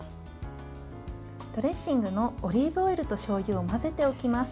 ドレッシングのオリーブオイルとしょうゆを混ぜておきます。